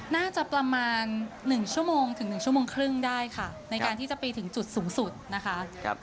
น่าจะประมาณ๑ชั่วโมงถึง๑ชั่วโมงครึ่งได้ค่ะในการที่จะไปถึงจุดสูงสุดนะคะ